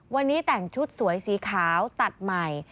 วันนี้แต่งชุดสวยสีขาวตัดใหม่